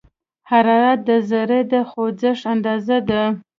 حرارت د ذرّو د خوځښت اندازه ده.